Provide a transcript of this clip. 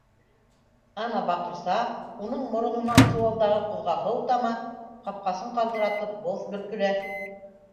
Ана баҡырса, уның морононан сыуалдағы ҡуҙға һыу тама, ҡапҡасын ҡалтыратып, боҫ бөркөлә.